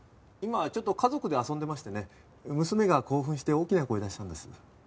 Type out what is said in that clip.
今ちょっと家族で遊んでましてね娘が興奮して大きな声出したんです。